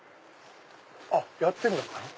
やってんのかな？